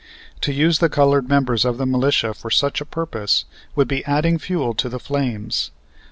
To use the colored members of the militia for such a purpose would be adding fuel to the flames.